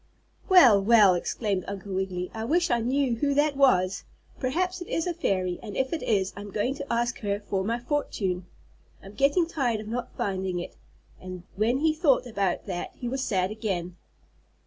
"Well, well!" exclaimed Uncle Wiggily, "I wish I knew who that was. Perhaps it is a fairy, and if it is, I'm going to ask her for my fortune. I'm getting tired of not finding it," and when he thought about that he was sad again.